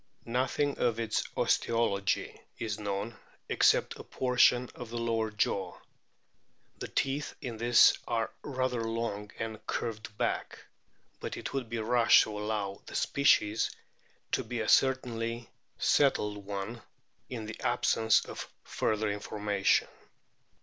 Nothing of its osteology is known except a portion of the lower jaw. The teeth in this are rather long and curved back, but it would be rash to allow the species to be a certainly settled one in the absence of further information.